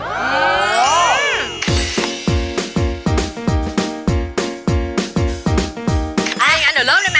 ถ้าอย่างนั้นหนูเริ่มเลยมั้ย